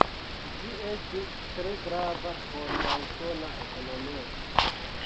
Ĝi estis tre grava por la usona ekonomio.